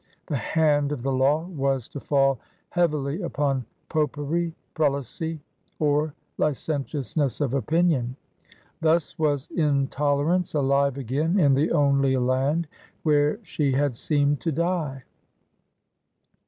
'* The hand of the law was to fall heavily upon "popery, prelacy, or licen tiousness of opinion. " Thus was intolerance alive again in the only land where she had seemed to die!